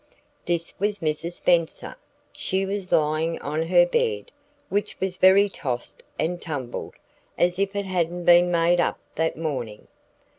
This was Mrs. Spenser. She was lying on her bed, which was very tossed and tumbled, as if it hadn't been made up that morning.